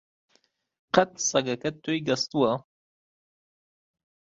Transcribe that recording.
قەت سەگەکەت تۆی گەستووە؟